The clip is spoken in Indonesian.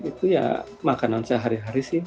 itu ya makanan sehari hari sih